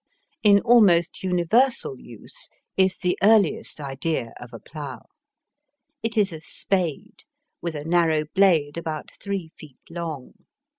In almost universal use is the earliest idea of a plough. It is a spade, with a narrow blade about three feet long.